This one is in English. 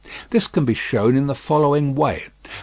This can be shown in the following way.